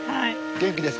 元気です。